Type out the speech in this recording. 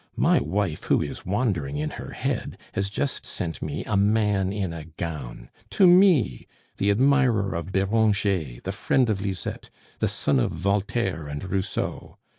My wife, who is wandering in her head, has just sent me a man in a gown to me! the admirer of Beranger, the friend of Lisette, the son of Voltaire and Rousseau.